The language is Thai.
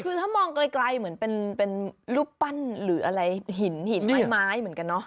คือถ้ามองไกลเหมือนเป็นรูปปั้นหรืออะไรหินไม้เหมือนกันเนอะ